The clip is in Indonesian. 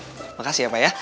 gak apa apa ya